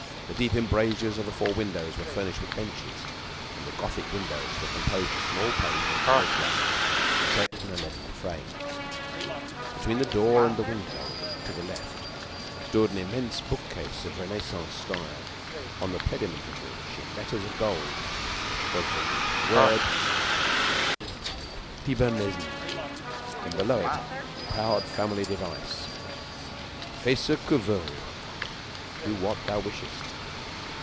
The deep embrasures of the four windows were furnished with benches, and the Gothic windows were composed of small panes of colored glass set in a leaden frame. Between the door and the window to the left stood an immense bookcase of Renaissance style, on the pediment of which, in letters of gold, was the word "Thibermesnil," and, below it, the proud family device: "Fais ce que veulx" (Do what thou wishest).